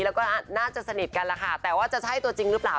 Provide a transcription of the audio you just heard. แล้วก็น่าจะสนิทกันแหละค่ะแต่ว่าจะใช่ตัวจริงหรือเปล่า